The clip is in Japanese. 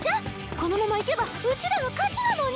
このままいけばうちらの勝ちなのに。